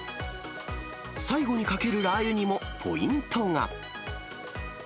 最後にかけるラー油にもポイントが。